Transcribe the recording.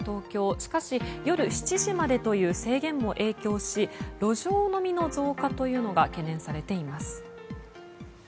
しかし、夜７時までという制限も影響し路上飲みの増加というのが懸念されています。